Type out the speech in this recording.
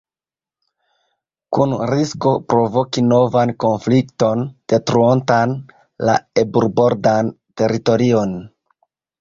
Kun risko provoki novan konflikton detruontan la eburbordan teritorion.